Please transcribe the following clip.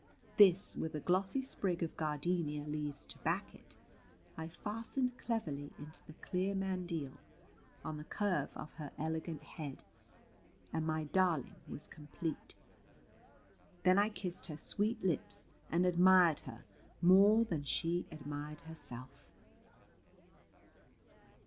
This, with a glossy sprig of Gardenia leaves to back it, I fastened cleverly into the clear mandile, on the curve of her elegant head, and my darling was complete. Then I kissed her sweet lips, and admired her, more than she admired herself.